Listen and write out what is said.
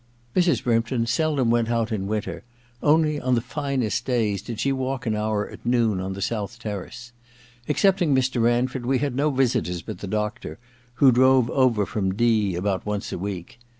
Mrs. Brympton seldom went out in isdnter ; only on the finest days did she walk an hour at noon on the south terrace. Excepting Mr. Ranford, we had no visitors but the doctor, who drove over from D about once a week.